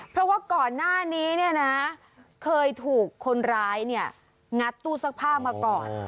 เพราะว่าก่อนหน้านี้เนี่ยนะเคยถูกคนร้ายเนี่ยงัดตู้ซักผ้ามาก่อน